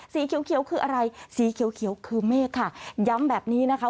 สีเขียวคืออะไรสีเขียวคือเมฆค่ะย้ำแบบนี้นะคะ